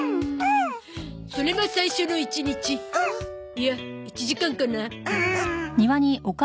いや１時間かな。